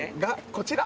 こちら。